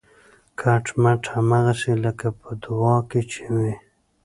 کټ مټ هماغسې لکه په دعا کې چې وي